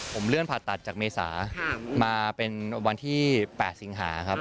ผมเลื่อนผ่าตัดจากเมษามาเป็นวันที่๘สิงหาครับ